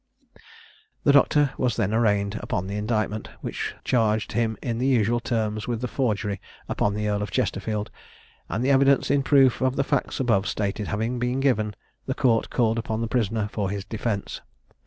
The doctor was then arraigned upon the indictment, which charged him in the usual terms with the forgery upon the Earl of Chesterfield; and the evidence in proof of the facts above stated having been given, the Court called upon the prisoner for his defence.